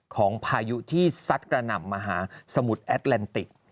ของพายุที่สัตว์กระหน่ำมหาสมุดแอดแลนติก